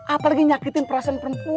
apalagi nyakitin perasaan perempuan